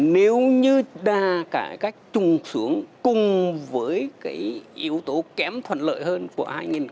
nếu như đa cải cách trùng xuống cùng với cái yếu tố kém thuận lợi hơn của hai nghìn một mươi tám